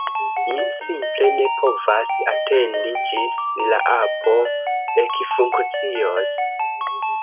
Mi simple ne povas atendi ĝis la apo ekfunkcios!